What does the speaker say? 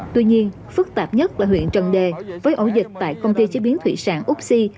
tuy nhiên phức tạp nhất là huyện trần đề với ổ dịch tại công ty chế biến thủy sản úc si